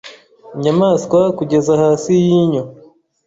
Inyamaswa kugeza hasi yinyo